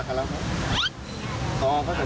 สัญญาแล้วแต่จริงแล้วลุ้นคู่เขาไหม